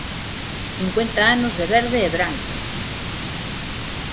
Cincuenta anos de verde e branco.